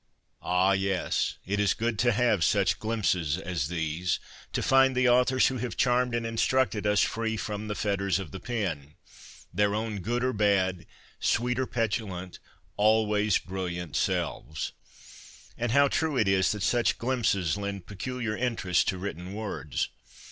Ah, yes ! it is good to have such glimpses as these, to find the authors who have charmed and instructed us free from the ' fetters of the pen '— their own good or bad, sweet or petulant, always brilliant selves. And how true it is that such glimpses lend peculiar interest to written words